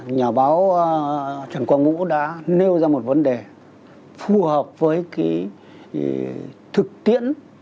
nhà báo trần quang ngũ đã nêu ra một vấn đề phù hợp với cái thực tiễn